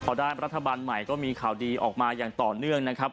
พอได้รัฐบาลใหม่ก็มีข่าวดีออกมาอย่างต่อเนื่องนะครับ